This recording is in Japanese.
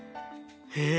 へえ